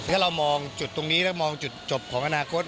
ถ้าเรามองจุดตรงนี้แล้วมองจุดจบของอนาคต